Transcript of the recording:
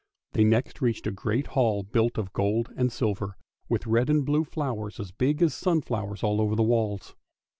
They next reached a great hall built of gold and silver, with red and blue flowers as big as sunflowers all over the walls.